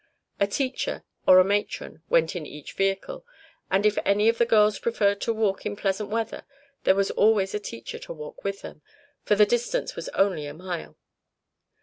A teacher, or a matron, went in each vehicle, and if any of the girls preferred to walk in pleasant weather there was always a teacher to walk with them for the distance was only a mile.